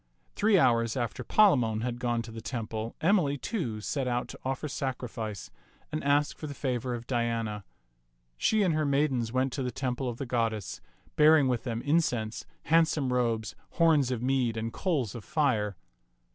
Three hours after Palamon had gone to the temple, Emily, too, set out to offer sacrifice and ask for the favor ^§e Mnx^^fB t(xh 37 of Diana. She and her maidens went to the temple of the goddess, bearing with them incense, handsome robes, horns of mead, and coals of fire.